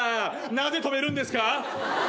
なぜ止めるんですか？